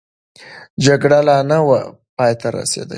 جګړه لا نه وه پای ته رسېدلې.